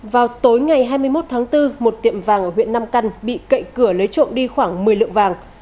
vào tối ngày hai mươi một tháng bốn một tiệm vàng ở huyện nam căn bị cậy cửa lấy trộm đi khoảng một mươi lượng vàng